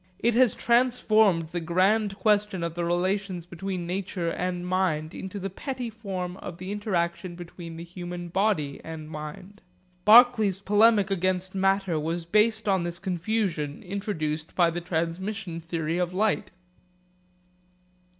It has transformed the grand question of the relations between nature and mind into the petty form of the interaction between the human body and mind. Berkeley's polemic against matter was based on this confusion introduced by the transmission theory of light.